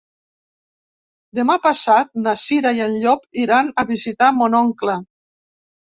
Demà passat na Cira i en Llop iran a visitar mon oncle.